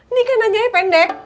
nikah nanya ya pendek